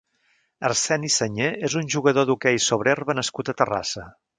Arseni Sañé és un jugador d'hoquei sobre herba nascut a Terrassa.